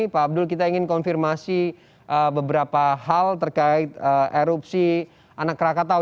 pak abdul kita ingin konfirmasi beberapa hal terkait erupsi anak rakatau